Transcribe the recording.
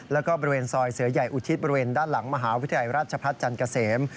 แล้วก็บริเวณซอยเสือใหญ่อุทิศบริเวณด้านหลังมหาวิทยาลัยราชพัฒน์จันทร์เกษม